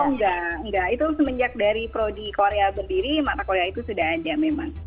oh enggak enggak itu semenjak dari prodi korea berdiri mata korea itu sudah ada memang